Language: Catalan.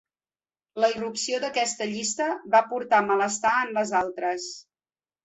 La irrupció d’aquesta llista va portar malestar en les altres.